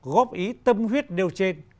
góp ý tâm huyết đều trên